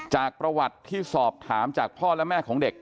จากประวัติที่สอบถามจากพ่อและแม่ของเด็ก